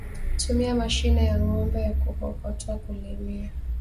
Tumia mashine ya ngOmbe ya kukokotwa kulimia